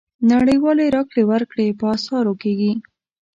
نړیوالې راکړې ورکړې په اسعارو کېږي.